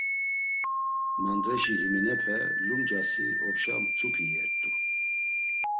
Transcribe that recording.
Mandreşi heninepe lumcasi opşa mtzupi iyert̆u.